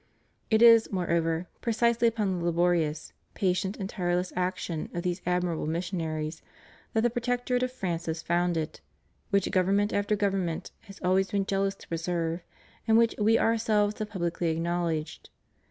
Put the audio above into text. It is, moreover, precisely upon the laborious, patient, and tireless action of these admirable missionaries that the Protectorate of France is founded, which government after government has always been jealous to preserve, and which We Ourselves have publicly acknowledged.